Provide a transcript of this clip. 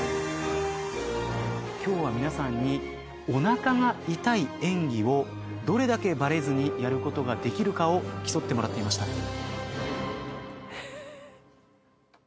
今日は皆さんにおなかが痛い演技をどれだけバレずにやることができるかを競ってもらっていました。